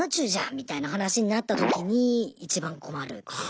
みたいな話になった時にいちばん困るっていう。